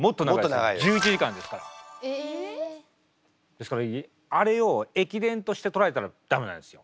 ですからあれを駅伝として捉えたら駄目なんですよ。